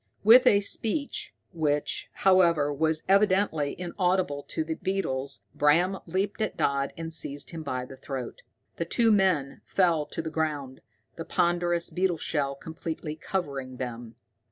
With a screech, which, however, was evidently inaudible to the beetles, Bram leaped at Dodd and seized him by the throat. The two men fell to the ground, the ponderous beetle shell completely covering them.